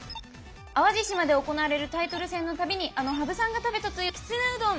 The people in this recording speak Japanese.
淡路島で行われるタイトル戦の度にあの羽生さんが食べたという「きつねうどん」！